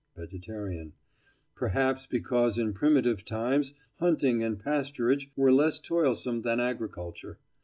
VEGETARIAN: Perhaps because in primitive times hunting and pasturage were less toilsome than agriculture.